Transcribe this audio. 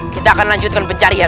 kita akan lanjutkan pencarian